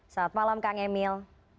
selamat malam kang emil